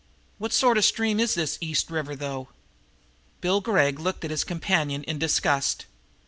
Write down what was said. What sort of a stream is this East River, though?" Bill Gregg looked at his companion in disgust.